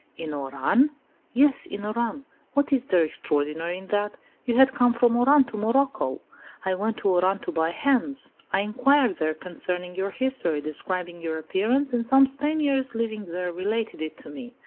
"In Oran?" "Yes, in Oran. What is there extraordinary in that? You had come from Oran to Morocco; I went to Oran to buy hens. I inquired there concerning your history, describing your appearance, and some Spaniards living there related it to me.